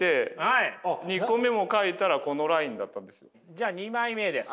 じゃあ２枚目です。